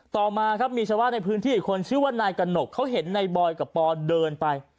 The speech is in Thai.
ต่อมาครับมีชาวบ้านในพื้นที่อีกคนชื่อว่านายกระหนกเขาเห็นในบอยกับปอเดินไป